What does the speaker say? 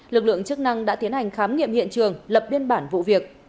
lực lượng chức năng đã tiến hành khám nghiệm hiện trường lập biên bản vụ việc